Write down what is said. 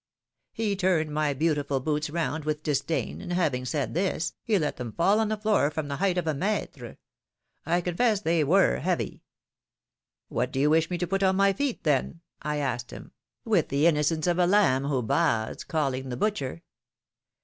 '^He turned my beautiful boots round with disdain. 124 PHILOMjfcNE^S MARRIAGES. and having said this, he let them fall on the floor from the height of a mUre, I confess they were heavy. ^^MVhat do you wish me to put on my feet, then?^ I asked him, with the innocence of a lamb who baas, calling the butcher.